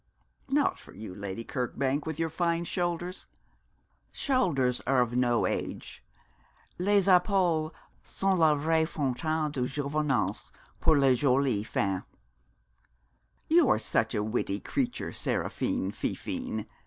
_' 'Not for you, Lady Kirkbank, with your fine shoulders. Shoulders are of no age les épaules sont la vraie fontaine de jouvence pour les jolies femmes.' 'You are such a witty creature, Seraphine, Fifine.